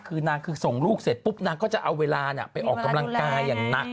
คือนางคือส่งลูกเสร็จปุ๊บนางก็จะเอาเวลาไปออกกำลังกายอย่างหนัก